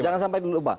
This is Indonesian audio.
jangan sampai dulu pak